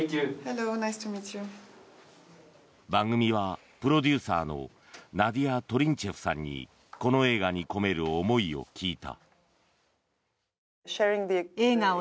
番組はプロデューサーのナディア・トリンチェフさんにこの映画に込める思いを聞いた。